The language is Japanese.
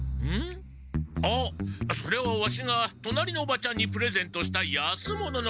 あっそれはワシが隣のおばちゃんにプレゼントした安物のクシ。